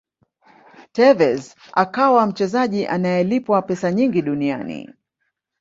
tevez akawa mchezaji anayelipwa pesa nyingi duniani